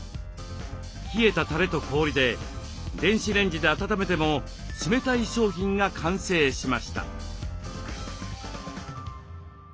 冷えたたれと氷で電子レンジで温めても冷たい商品が完成しました。